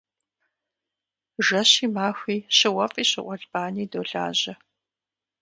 Жэщи махуи щыуэфӏи щыуэлбани долажьэ.